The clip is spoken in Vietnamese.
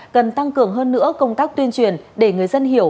cần tăng cường hơn nữa công tác tuyên truyền để người dân hiểu